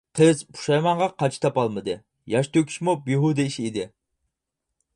قىز پۇشايمانغا قاچا تاپالمىدى، ياش تۆكۈشمۇ بىھۇدە ئىش ئىدى.